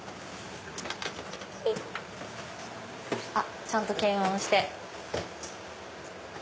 あっちゃんと検温して。